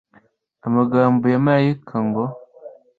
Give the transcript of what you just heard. Amagambo ya marayika ngo